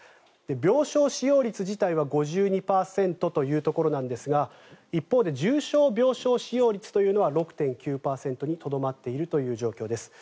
病床使用率自体は５２％というところですが一方で重症病床使用率というのは６．９％にとどまっているという状況です。